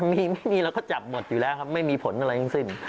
ไม่มีแล้วก็จับหมดอยู่แล้วครับไม่มีผลอะไรอย่างสิ้น